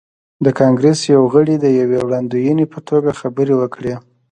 د کانګریس یو غړي د یوې وړاندوینې په توګه خبرې وکړې.